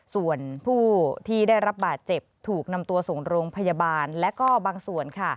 ส่วนผู้ที่ได้รับบาดเจ็บถูกนำตัวส่งโรงพยาบาลและก็บางส่วนค่ะ